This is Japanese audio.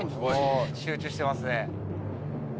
集中してますね。